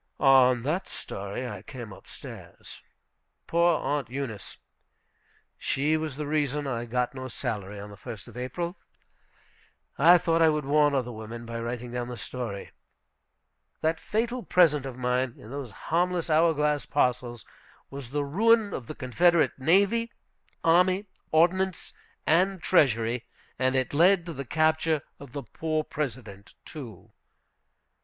On that story I came up stairs. Poor Aunt Eunice! She was the reason I got no salary on the 1st of April. I thought I would warn other women by writing down the story. That fatal present of mine, in those harmless hourglass parcels, was the ruin of the Confederate navy, army, ordinance, and treasury; and it led to the capture of the poor President, too.